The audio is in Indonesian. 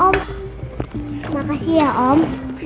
asik berarti coklat